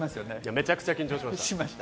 めちゃくちゃ緊張しました。